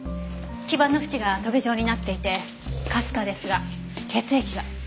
基盤のふちがトゲ状になっていてかすかですが血液が。